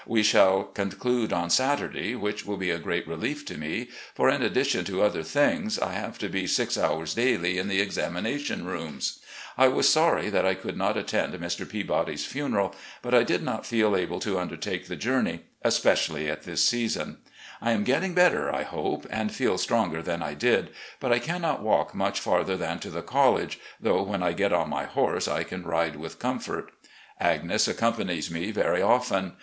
We shall conclude on Saturday, which will be a great relief to me, for, in addition to other things, I have to be six hours daily in the examination rooms. I was sorry that I couW not attend Mr. Peabody's funeral, but I did not feel able to undertake the journey, espe cially at this season. I am getting better, I hope, and feel stronger than I did, but I cannot walk much farther than to the college, though when I get on my horse I can ride with comfort. Agnes accompanies me very often.